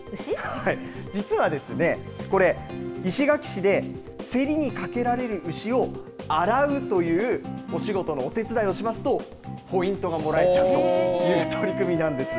実はですね、これ、石垣市で競りにかけられる牛を洗うというお仕事のお手伝いをしますと、ポイントがもらえちゃうという取り組みなんです。